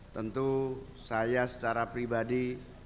tentu saya secara pribadi